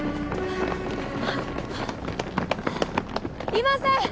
いません！